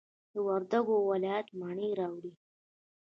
د وردګو ولایت مڼې راوړه.